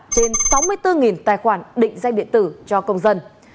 trên sáu mươi bốn tài khoản định danh điện tử cho công dân